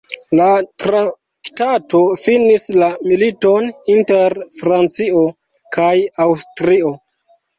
La traktato finis la militon inter Francio kaj Aŭstrio.